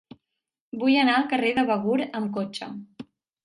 Vull anar al carrer de Begur amb cotxe.